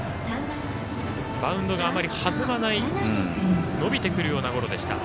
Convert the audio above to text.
バウンドがあまり弾まない伸びてくるようなゴロでした。